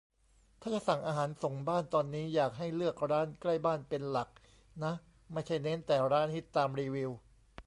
ถ้าจะสั่งอาหารส่งบ้านตอนนี้ อยากให้เลือกร้านใกล้บ้านเป็นหลักนะ ไม่ใช่เน้นแต่ร้านฮิตตามรีวิว